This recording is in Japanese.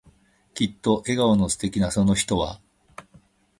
きっと笑顔の素敵なその人は、